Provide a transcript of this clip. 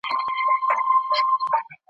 زه یاغي له نمرودانو له ایمان سره همزولی`